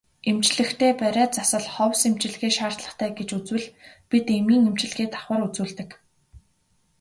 Эмчлэхдээ бариа засал ховс эмчилгээ шаардлагатай гэж үзвэл бид эмийн эмчилгээ давхар үзүүлдэг.